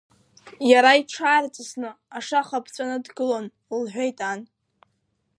Иара иҽаарҵысны, ашаха ԥҵәаны дгылон, — лҳәеит ан.